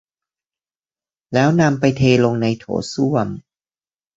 แล้วนำไปเทลงในโถส้วม